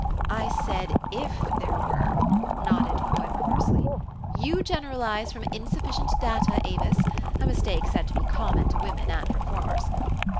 " I said if there were," nodded Coy perversely. "You generalize from insufficient data, Avis, a mistake said to be common to women and reformers.